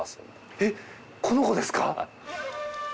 えっこの子ですか？